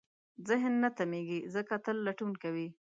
ذهن نه تمېږي، ځکه تل لټون کوي.